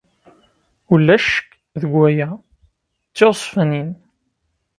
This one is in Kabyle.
Ulac ccekk deg waya. D tiɣezfanin.